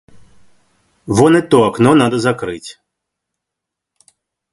Вон и то окно надо закрыть.